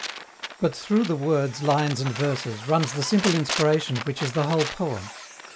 But through the words, lines and verses runs the simple inspiration which is the whole poem.